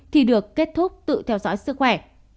thì được kết thúc tự theo dõi sức khỏe